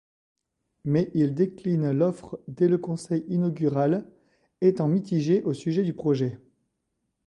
Mais il décline l'offre dès le conseil inaugural, étant mitigé au sujet du projet.